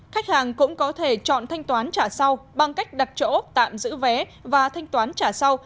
khách hàng cũng có thể chọn thanh toán trả sau bằng cách đặt chỗ tạm giữ vé và thanh toán trả sau